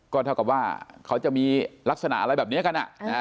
ก็เท่ากับว่าเขาจะมีลักษณะอะไรแบบนี้กัน